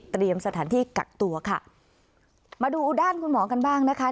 สถานที่กักตัวค่ะมาดูด้านคุณหมอกันบ้างนะคะ